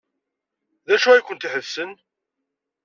D acu ay ken-iḥebsen?